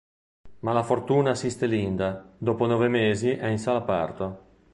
Ma la fortuna assiste Linda, dopo nove mesi è in sala parto.